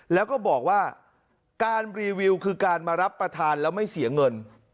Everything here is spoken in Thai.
แล้วก็บอกว่าการรีวิวคือการมารับประทานแล้วไม่เสียเงิน